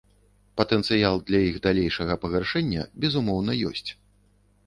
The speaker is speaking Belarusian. Патэнцыял для іх далейшага пагаршэння, безумоўна, ёсць.